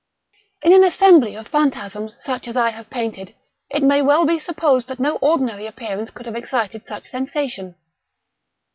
In an assembly of phantasms such as I have painted, it may well be supposed that no ordinary appearance could have excited such sensation.